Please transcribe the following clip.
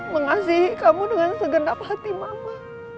mengasih kamu dengan segenap hati mama